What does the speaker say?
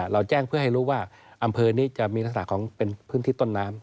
เราแจ้งเพื่อให้รู้ว่าอำเภอนี้จะมีลักษณะของเป็นพื้นที่ต้นน้ำ